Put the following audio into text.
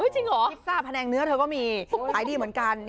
จริงเหรอพิซซ่าแผนงเนื้อเธอก็มีขายดีเหมือนกัน